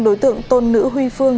đối tượng tôn nữ huy phương